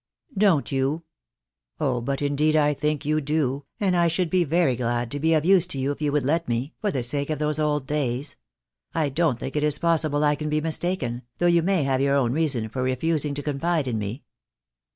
"Don't you! Oh, but indeed I think you do, and I should be very glad to be of use to you if you would let me, for the sake of those old days. I don't think it is possible I can be mistaken, though you may have your own reason for refusing to confide in me."